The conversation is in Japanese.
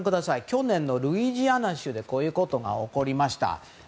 去年のルイジアナ州でこういうことが起こりました。